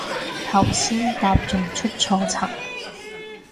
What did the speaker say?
頭先搭仲出錯層